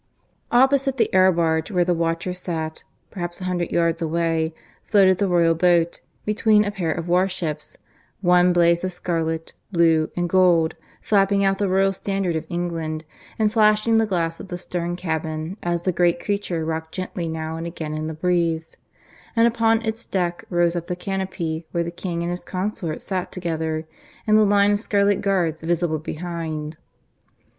Opposite the air barge where the watcher sat, perhaps a hundred yards away, floated the royal boat, between a pair of warships, one blaze of scarlet, blue, and gold, flapping out the Royal Standard of England, and flashing the glass of the stern cabin as the great creature rocked gently now and again in the breeze; and upon its deck rose up the canopy where the king and his consort sat together, and the line of scarlet guards visible behind.